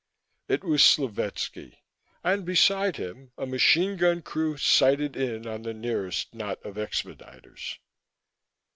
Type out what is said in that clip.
It was Slovetski, and beside him a machine gun crew sighted in on the nearest knot of expediters.